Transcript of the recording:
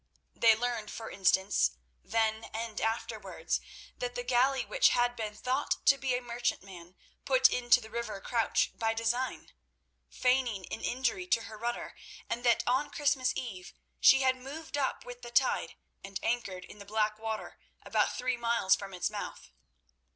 They learned, for instance, then and afterwards, that the galley which had been thought to be a merchantman put into the river Crouch by design, feigning an injury to her rudder, and that on Christmas eve she had moved up with the tide, and anchored in the Blackwater about three miles from its mouth.